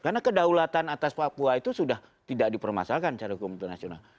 karena kedaulatan atas papua itu sudah tidak dipermasakan secara hukum internasional